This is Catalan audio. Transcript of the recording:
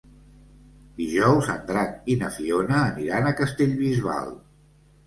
Dijous en Drac i na Fiona aniran a Castellbisbal.